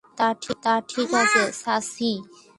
তা ঠিক আছে, সার্সি।